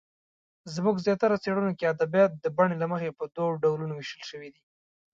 زموږ زیاتره څېړنو کې ادبیات د بڼې له مخې په دوو ډولونو وېشلې دي.